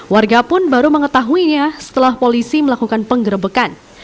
warga pun baru mengetahuinya setelah polisi melakukan penggerbekan